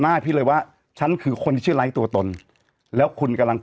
หน้าพี่เลยว่าฉันคือคนที่ชื่อไร้ตัวตนแล้วคุณกำลัง